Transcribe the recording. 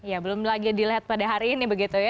ya belum lagi dilihat pada hari ini begitu ya